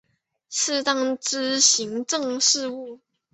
适当之行政事务